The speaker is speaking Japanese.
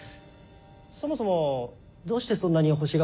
そもそもどうしてそんなに星ヶ